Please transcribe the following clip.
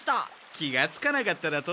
気がつかなかっただと？